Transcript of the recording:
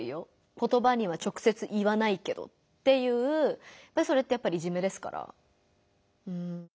言葉には直接言わないけど」っていうそれってやっぱりいじめですから。